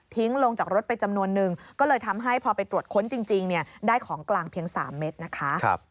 ลงจากรถไปจำนวนนึงก็เลยทำให้พอไปตรวจค้นจริงได้ของกลางเพียง๓เม็ดนะคะ